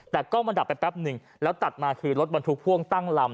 แต่กล้องมันดับไปแป๊บหนึ่งแล้วตัดมาคือรถบรรทุกพ่วงตั้งลำ